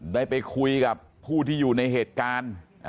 ได้ไปคุยกับผู้ที่อยู่ในเหตุการณ์